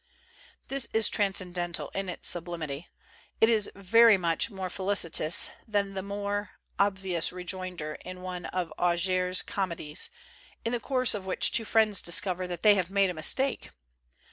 This is transcendental in its sublimity. It is very much more felicitous than the more ob vious rejoinder in one of Augier's comedies, in 177 THE GENTLE ART OF REPARTEE the course of which two friends discover that they have made a mistake.